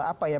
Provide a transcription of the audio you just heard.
untuk apa ya